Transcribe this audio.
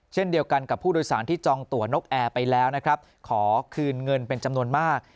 เช่นเดียวกันกับผู้โดยสารที่จองตัวนกแอร์ไปแล้วนะครับขอคืนเงินเป็นจำนวนมาก